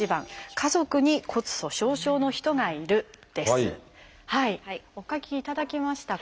次にお書きいただきましたか？